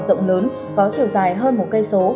rộng lớn có chiều dài hơn một cây số